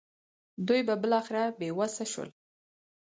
دوی به بالاخره بې وسه شول.